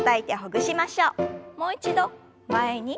もう一度前に。